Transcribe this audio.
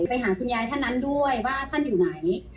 ไปหาคุณยายท่านนั้นด้วยว่าท่านอยู่ไหน